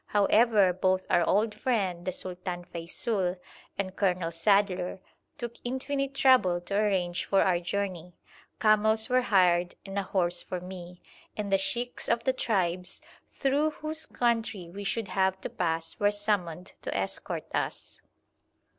However, both our old friend the Sultan Feysul and Colonel Sadler took infinite trouble to arrange for our journey; camels were hired and a horse for me, and the sheikhs of the tribes through whose country we should have to pass were summoned to escort us.